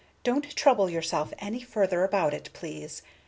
Don't trouble yourself any further about it, please.